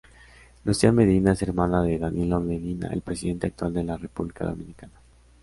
Lucía Medina es hermana de Danilo Medina, el Presidente actual de la República Dominicana.